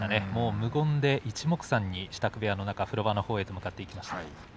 無言でいちもくさんに支度部屋の風呂場のほうに向かっていきました。